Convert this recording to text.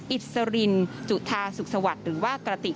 อิสรินจุธาสุขสวัสดิ์หรือว่ากระติก